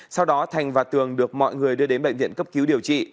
sau đó thành và tường được mọi người đưa đến bệnh viện cấp cứu điều trị